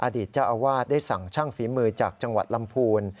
อดีตเจ้าอาวาสได้สั่งช่างฝีมือจากจังหวัดลำพูน